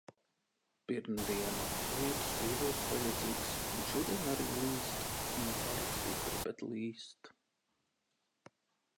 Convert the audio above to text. Pirmdiena. Lietus bija ļoti vajadzīgs. Un šodien arī līst. Ne pārāk stipri, bet līst.